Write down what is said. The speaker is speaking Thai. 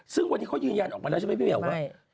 ซึ่งวันนี้เขายืนยันออกมาแล้วใช่ไหมพี่เหี่ยวว่า